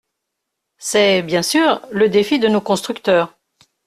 C’est, bien sûr, le défi de nos constructeurs.